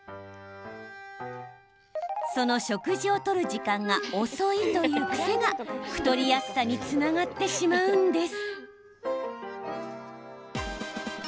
その食事をとる時間が遅いという癖が太りやすさにつながってしまうんです。